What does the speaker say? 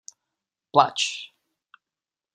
Plač.